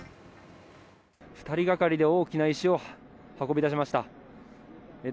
２人がかりで大きな石を運び出しました。